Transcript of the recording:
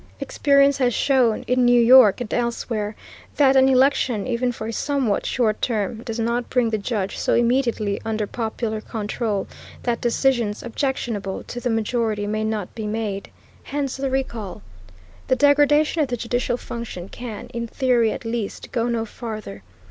Experience has shown, in New York and elsewhere, that an election, even for a somewhat short term, does not bring the judge so immediately under popular control that decisions objectionable to the majority may not be made. Hence the recall. The degradation of the judicial function can, in theory at least, go no farther.